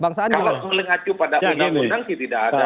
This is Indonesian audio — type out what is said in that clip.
kalau mengacu pada undang undang sih tidak ada